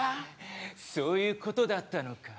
そういう事だったのか。